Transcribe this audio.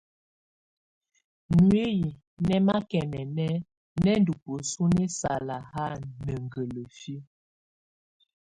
Nuiyi nɛ makɛnɛnɛ nɛndɔ bəsu nɛsala ha nə gələfiə.